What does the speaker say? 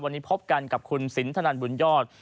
วันนี้พบกันกับคุณสินทนันบุญยอด